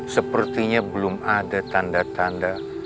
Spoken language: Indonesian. sepertinya belum ada tanda tanda